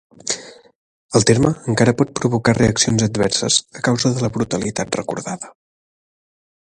El terme encara pot provocar reaccions adverses a causa de la brutalitat recordada.